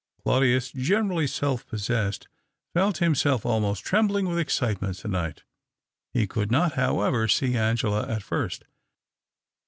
Claudius, generally self possessed, felt himself almost trembling^ with excitement to nio; ht. He could not, however, see Angela at first.